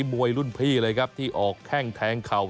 มวยรุ่นพี่เลยครับที่ออกแข้งแทงเข่า